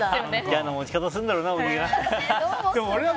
嫌な持ち方するんだろうな小木が。